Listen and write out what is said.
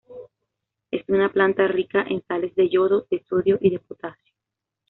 Es una planta rica en sales de yodo, de sodio y de potasio.